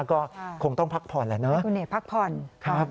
ก็คงต้องพักผ่อนแหละเนอะคุณเอกพักผ่อนครับ